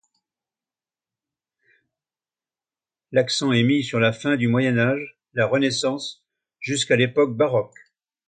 L’accent est mis sur la fin du Moyen Âge, la Renaissance, jusqu’à l’époque baroque.